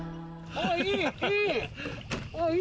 あっいい！